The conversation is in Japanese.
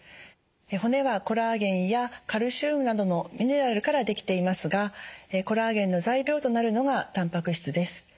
骨はコラーゲンやカルシウムなどのミネラルから出来ていますがコラーゲンの材料となるのがたんぱく質です。